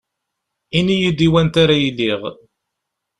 Ini-yi-d i wanta ara iliɣ